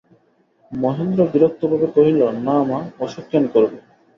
মহেন্দ্র বিরক্তভাবে কহিল, না মা, অসুখ কেন করবে।